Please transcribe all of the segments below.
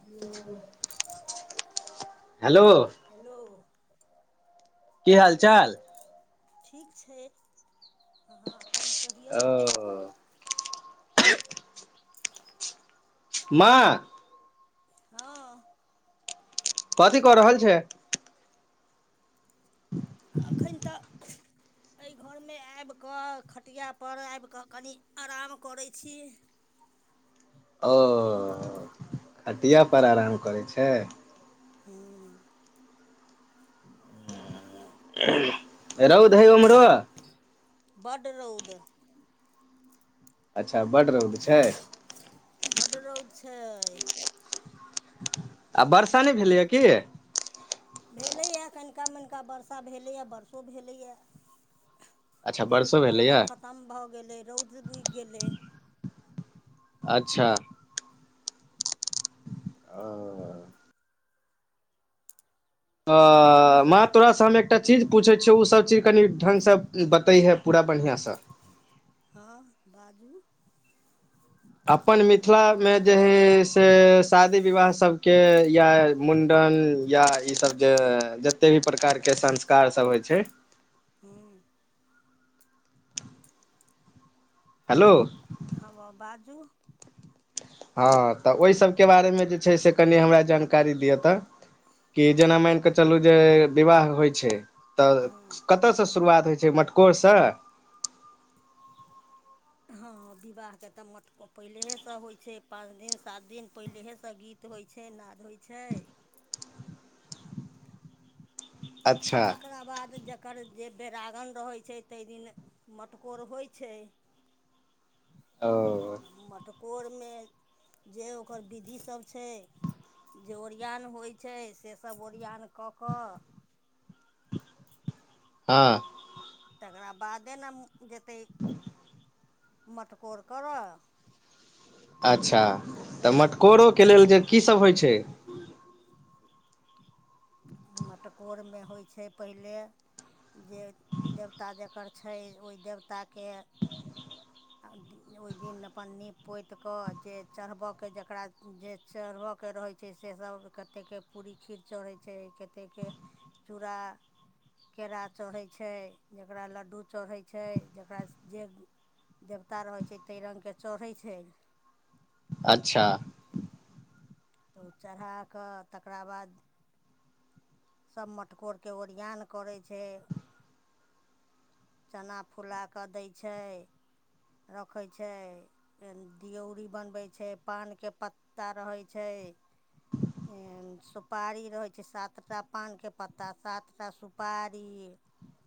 Hello hello की हाल- चाल ठीक छै आहाँ अपन कहियौ ओ माँ हँ। कथी कऽ रहल छै अखनि तऽ [inaudible] अइ घर मे आबि कऽ खटिया पर आबि कऽ कनि आराम करै छी। अऽ खटिया पर आराम करै छै। हुँ रउद हइ उमरो बड्ड रौद अच्छा बड्ड रौद छै। बड्ड रौद छै आ बर्षा नय भेलयि की भेलैया कनिका- मनिका वर्षा भेलैया वर्षो भेलैया अच्छा फेर वर्षो बर्षा भेलैए खतम भऽ गेलै रौद बुगि गेलै अच्छा अऽ अऽ माँ तोरा सँ हम एकटा चीज पुछै छियौ ओ सब चीज कनि ढंग सँ बतैहे पूरा बढ़िआ सँ। हँ बाजू अपन मिथिला मे जे हइ से से, शादी विवाह सबके या मुण्डन या, ई सब जे जते भी प्रकार के संस्कार सब होय छै। हूं हेलो ह म बाजू हँ तऽ ओइ सबके बारेमे जे छै से कनी हमरा जानकारी दिअ तऽ कि जेना मानिकऽ चलू जे विवाह होइ छै तऽ हूँ कत सँ शुरुआत होइ छै मटकोर सँ हँ विवाहके तऽ मटक पहिलेहे सँ होइ छै पाँच दिन सात दिन पहिलेहे सँ गीत गीत होइ छै नाद होइ छै अच्छा तकरा बाद ज कर, जे बेरागन रहै छै, तै दिन मटकोर होइ छै। ओ मटकोर मे, जे ओकर विधि सभ छै। जे ओरआन होइ छै, सेसभ ओरियान कऽ कऽ हँ तकरा बादे न जेतै, मटकोर करऽ अच्छा, तऽ मटकोरो के लेल जे की सभ होइ छै मटकोर मे होइ छै पहिले जे, देवता जकर छै, ओई देवताके ओई दिन अपन नीप पोति कऽ जे चढ़बऽ के जकरा जे चढ़बऽ के रहै छै से सभ कते के पूरी खीर चढ़ै छै, केते के चूरा केरा चढ़ै छै, जकरा लड्डू चढ़ै छै, जकरा जे देवता रहै छै, तै रंग के चढ़ै छै। अच्छा तऽ ओ चढ़ा कऽ तकरा बाद सभ मटकोर के ओरिआन करै छै। चना फुला कऽ दै छै, रखै छै। दियौरी बनबै छै पान के पत्ता रहै छै सुपारी रहै छै, सात टा पान के पत्ता सात टा सुपारी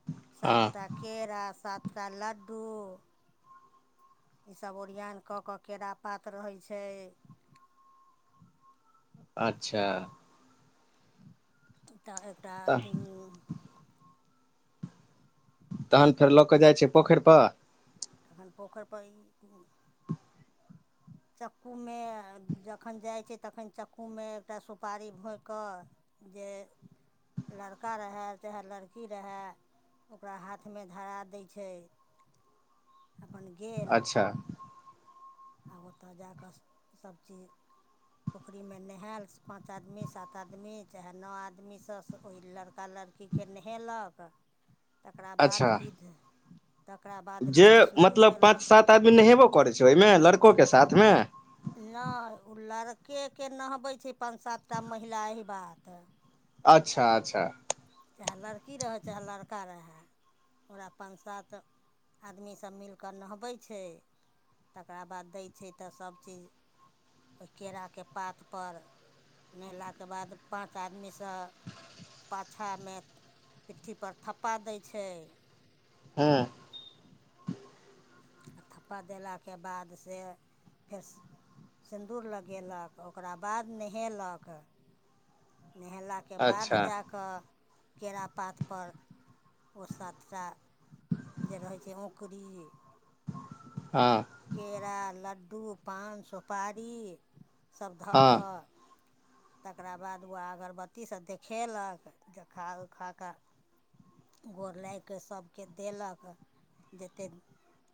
ह सात टा केरा सात टा लड्डू इ सभ ओरियान कऽ कऽ, केरा पात रहै छै अच्छा तऽ एकटा तऽ अथी तहन फेर लऽ कऽ जाइ छै, पोखरि पर तखन पोखरि पर ई चक्कू मे जखन जाइ छै, तखन चक्कू मे एकटा सुपारी भोइ कऽ जे, लड़का रहय चाहे, लड़की रहय ओकरा हाथ मे धरा दै छै ह अपन गेल आ ओतऽ जा कऽ सभ चीज पोखरी मे नहेल, पांच आदमी, सात आदमी चाहे नौ आदमी से ओहि लड़का लड़ कि के नहेलक ह तकरा बाद विध, तकरा बाद जे विध शुरू मतलब पाँच केलक सात आदमी नहेबो करै छै, ओहिमे लड़को के साथ मे नय, ओ लड़के के नहबै छै, पाच सात टा महिला एहि बात अच्छा, अच्छा चाहे लड़की रहय, चाहे लड़का रहय ओकरा, पाँन सात आदमी सब मिलकऽ नहबै छै। तकरा बाद दै छै, तऽ सभ चीज ओहि, केराके पात पर नहेला के बाद पाँच आदमी सँ अो्छामे पिट्ठी पर थप्पा दै छै। हँ आ थप्पा देलाके बाद से फेर स् सिन्दूर लगे लक ओकरा बाद नहेलक नहेलाक के बाद अच्छा जा कऽ केरा पात पर ओ सातटा जे रहै छै औकरी हँ केरा लड्डू पान सुपारी सभ धऽ हँ कऽ तकरा बाद ओ अगरबत्ती से देखेलक देखा उखा कऽ गोर लागि कऽ सभकेँ देलक जतेक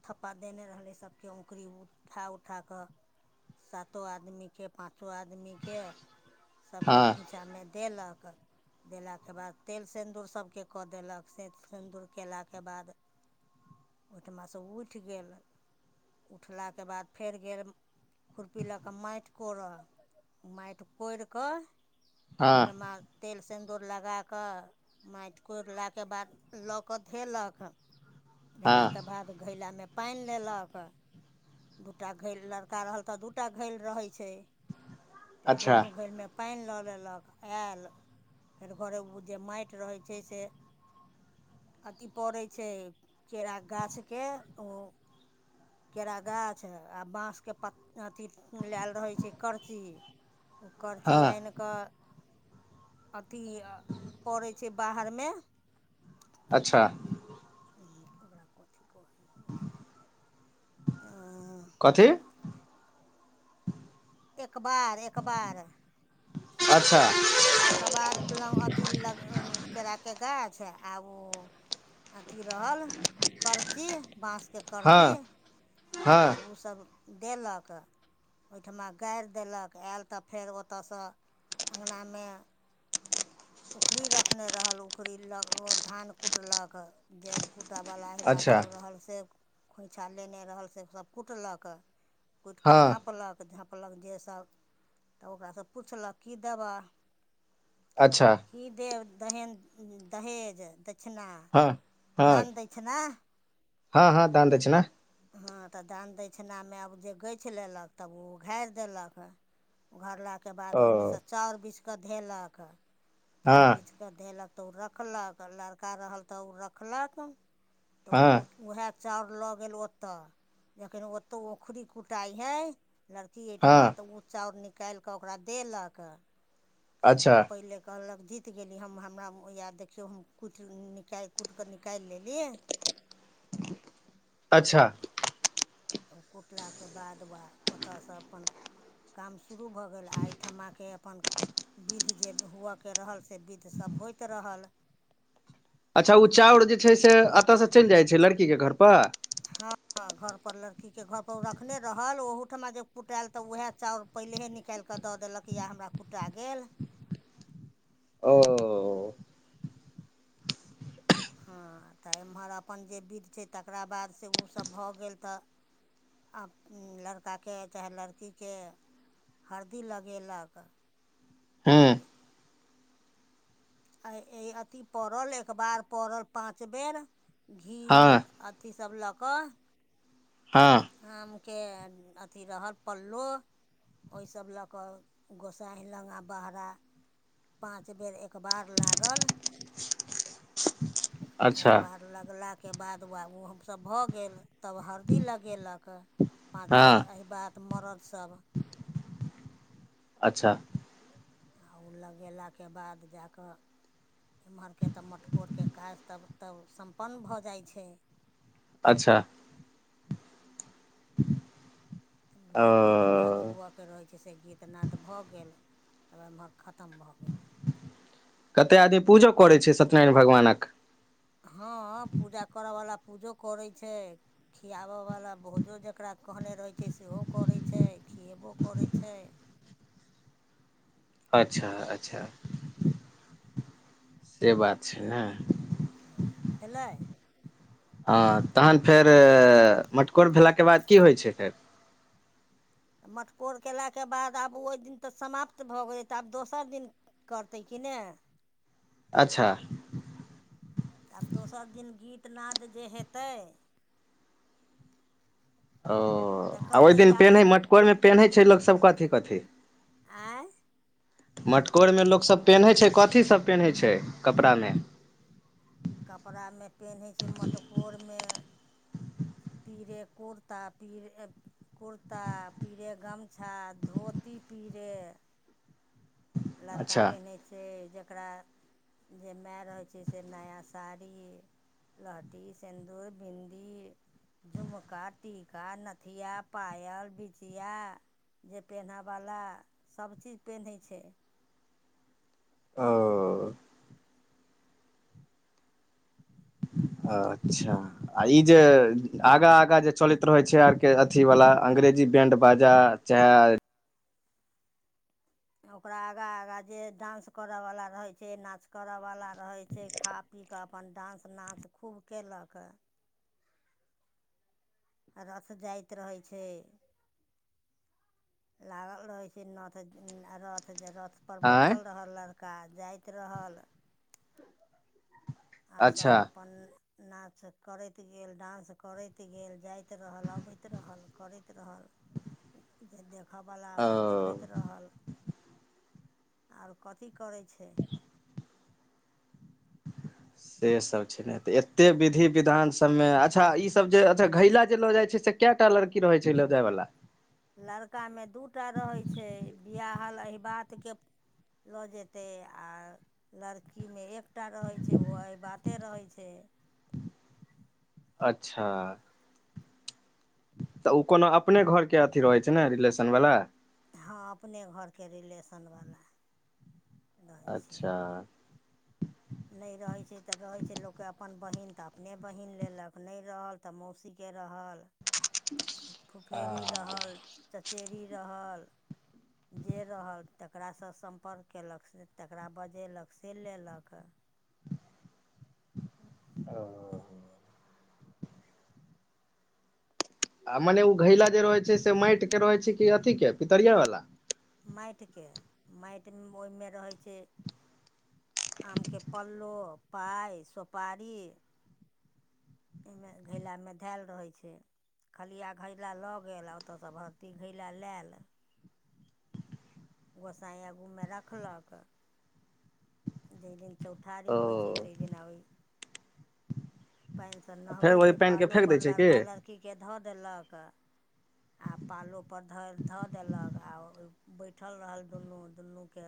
थप्पा देने रहलै सभके ओकुरी उ उठा उठा कऽ सातो आदमी के पाँचो आदमी के सभ के हँ खोँइछा मे देलक देला के बाद तेल सिन्दूर सभ केँ कऽ देलक से सिन्दूर कयलाके बाद ओहिठिमा सँ उठि गेल उठलाके बाद फेर गेल खुरपी लऽ कऽ मेठ कोरऽ मेंठ‌ कोरिकऽ हँ ओहिठिमा तेल सिन्दूर लगा कऽ मेठ कोड़ला के बाद लऽ कऽ धेलक धेला के हँ बाद घैलामे पाइन लेलक दूटा घैल लड़का रहल तऽ दूटा घैल रहै छै तऽ अच्छा दुनू घैल मे पानि लऽ लेलक आयल फेर घरे ओ जे मयट रहै छै से अथी परय छै केरा गाछ के ओ केरा गाछ आ बाँस के प अथी लायल रहैत छै करची ओ करची हँ आय केऽ अथी पड़ै छै बाहर मे अच्छा ह्म ओकरा कथी कहै हइ कथी एकबार एखबार अच्छा एकबार ल्ग अथि ह् लग केरा के गाछ आ ओ अथी रहल करची बाँस के करची हँ तऽ हँ ओ सभ देलक ओहिठिमा गार देलक आयल तऽ फेर ओतय सँ अङ्गनामे उखरी रखने रहल उखरी ल ओ धान कुटलक जर कूटय वला अहि बात अच्छा सभ रहल से खोँइछा लेने रहल से सभ कुटलक कुटिके हँ झाँपलक झाँपलक जे सब तऽ ओकरा सँ पुछलक कि देबऽ अच्छा की देब दहेन दहेज दक्षिणा हँ हँ दान दक्षिणा हँ हँ दान दछैना हँ तऽ दान दक्षिणा मे आब जे गछि लेलक तब ओ उ घारि देलक उघरला के बाद ओ ओहिमे सँ चाउर बिछ कऽ धेलक चउर हँ बिछ कऽ धेलक तऽ ओ रखलक लड़का रहल तऽ ओ रखलक तऽ हँ ओ उएह चाउर लऽ गेल ओतय जखन ओतय औखुरी कुटाइ हइ लड़की एहिठमा हँ तऽ ओ चाउर निकालिकऽ ओकरा देलक कि अच्छा पहिले कहलक जीत गेली हम हमरा ये देखियौ हम कुटि निकालि कुटिके निकालि लेलि। अच्छा तब कुटलाके बाद वा ओतयसँ अपन काम शुरू भऽ गेल आ एहिठम आके अपन विध जे हुअऽ के रहल से विध सभ होइत रहल। अच्छा ओ चाउर जे छै से अतऽ सँ चलि जाइ छै लड़की के घर पर हँ घर पर लड़की के घर पर ऊ रखने रहल ओहूठमा जे कुटेल तऽ उएह चाउर पहिलेहे निकालि कऽ दऽ देलक या हमरा कुटा गेल ओ हँ तऽ एम्हर अपन जे विध छै तकरा बाद से उसभ भऽ गेल तऽ आब उंम्म लड़का के चाहे लड़की के हरदी लगेलक हुँ हरदि आय ए अथी पड़ल एकबार पड़ल पाँच बेर घी उ हँ अथ थी सब लऽ कऽ हँ आम के अथी रहल पल्लो ओहिसब लऽ कऽ गोसांइ लंग आ बहरा पाँच बेर एकबार लागल। अच्छा एकबार लगलाके बाद वा ओ सब भऽ गेल तब हरदि लगेलक पाँच बेर हँ अहिबात मरद सब अच्छा आ ओ लगेलाके बाद जा कऽ एम्हरके तऽ मटकोरके काज तब तब सम्पन्न भऽ जाइ छै। अच्छा तब जे गीत गीतनाद हुअऽ के रहै छै से गीतनाद भऽ गेल तब एम्हर खतम भऽ गेल। कते आदमी पूजो करै छै सत्यनारायण भगवानक। हँ पूजा करयवला पूजो करै छै। खियाब वला भोजो जकरा कहने रहै छै सेहो करै छै खियेबो करै छै। अच्छा अच्छा से बात छै ने। भेलै। हँ तहन फेर मटकोर भेलाके बाद की होइ छै फेर? मटकोर केलाके बाद आब ओहि दिन तऽ समाप्त भऽ गेलै तऽ आब दोसर दिन करतै की ने अच्छा आब दोसर दिन गीत नाद जे हेत्तै। ओ आ तकर ओहि दिन पेनहै तैयारी मटकोरमे पेनहै छै लोक सभ कथी कथी? आँय मटकोरमे लोकसभ पेनहै छै कथीसभ पेनहै छै कपड़ा मे? कपड़ा मे पेनहै छै मटकोर मे पीरे कुर्ता पीरे कुर्ता पीरे गमछा धोती पीरे लड़का अच्छा पेनहै छै जकरा जे मे रहै छै से नया साड़ी लहठी सिन्दूर बिन्दी। झुमका टीका नथिया पायल बिछिया। जे पेन्ह वला सभचीज पेन्है छै। ओ अच्छा आ ई जे आगा आगा जे चलैत रहै छै आरके अथीवला अङ्ंग्रेजी बैण्ड बाजा चाहे ओकरा आगा आगा जे डान्स करय वाला रहै छै नाच करय वाला रहै छै खा पी कऽ अपन डान्स नाच खूब केलक रथ जायत रहै छै लागल रहै छै नथ रथ रथ पर आँय बठिल रहल लड़का जाइत रहल आ अच्छा सभ अपन नाच करति गेल डान्स करति गेल जाइत रहल अबति रहल करति रहल ज दे देखऽवला अपन ओ देखति रहल आर कथी करै छै। से सब छै नहि तऽ एते विधि विधान सब मे अच्छा ई सब जे अच्छा घैला जे लऽ जाइ छै से केऽटा लड़की रहै छै ल जाय वला लड़का मे दू टा रहै छै बियाहल अहिबात के लऽ जेतै आ लड़की मे एकटा रहै छै ओहो अहिबाते रहै छै अच्छा तऽ उ कोनो अपने घर के अथी रहै छै ने रिलेसन वला हँ अपने घर के रिलेसन बला अच्छा नय रहै छै तऽ रहै छै लोक के अपन बहिन तऽ अपने बहिन लेलक नय रहल तऽ मौसी के रहल [inaudible] आ फुफेरी ओ रहल चचेरी रहल जे रहल तकरासँ सम्पर्क कयलक से तकरा बजेलक से लेलक ओ [inaudible] आ मने उ घैला जे रहै छै से माईट के रहै छै की अथि के पितरिया वाला माइट के माइट ओहिमे रहै छै आमके पल्लो पाइ सोपारी अइ मे घैला मे धेऽल रहै छै खलिआ घैला लऽ गेल आ ओतयसँ भरती घैला लेऽल गोसांई आगू मे रखलक जई दिन चौठारी ओ होइ छै तै दिना ओई पाइन स फेर नहबै ओहि छै पानि के पालो फेेक दै पर छै लड़का लड़ की के धऽ देलक आ पालो पर ध धऽ देलक आओ बैठल रहल दुनू दुनू के